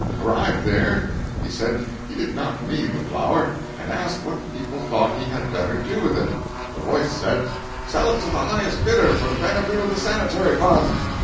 Arrived there, he said he did not need the flour, and asked what the people thought he had better do with it. A voice said: "Sell it to the highest bidder, for the benefit of the Sanitary fund."